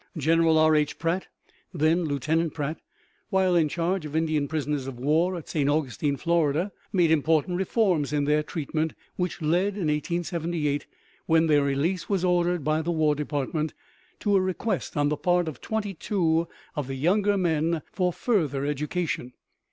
General R. H. Pratt (then Lieutenant Pratt), while in charge of Indian prisoners of war at Saint Augustine, Florida, made important reforms in their treatment, which led in 1878, when their release was ordered by the War Department, to a request on the part of twenty two of the younger men for further education.